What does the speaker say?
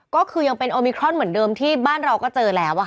ก็คือยังเป็นโอมิครอนเหมือนเดิมที่บ้านเราก็เจอแล้ว